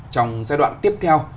trong giai đoạn tiếp theo